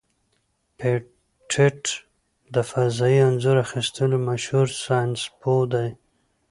پېټټ د فضايي انځور اخیستلو مشهور ساینسپوه دی.